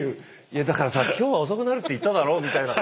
「いやだからさ今日は遅くなるって言っただろ」みたいな。